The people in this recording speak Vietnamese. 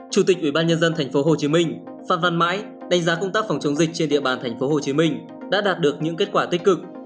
chủ tịch ubnd tp hcm phan văn mãi đánh giá công tác phòng chống dịch trên địa bàn tp hcm đã đạt được những kết quả tích cực